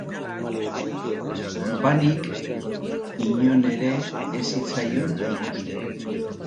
Orbanik inon ere ez zitzaion ikusten.